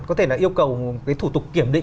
có thể là yêu cầu cái thủ tục kiểm định